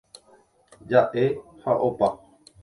Jaʼe ha opa.